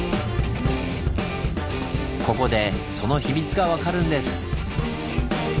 ここでその秘密が分かるんです！